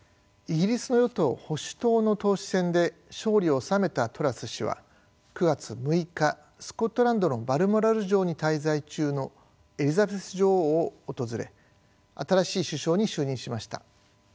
イギリスの与党・保守党の党首選で勝利を収めたトラス氏は９月６日スコットランドのバルモラル城に滞在中のエリザベス女王を訪れ新しい首相に就任しました。